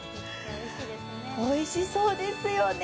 おいしそうですよね。